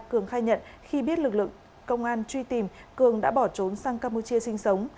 cường khai nhận khi biết lực lượng công an truy tìm cường đã bỏ trốn sang campuchia sinh sống